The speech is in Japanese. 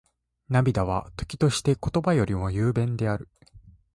涙は、時として言葉よりも雄弁である。